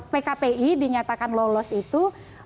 pkpi dinyatakan lolos itu